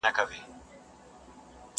د لېوه ستونی فارغ سو له هډوکي!!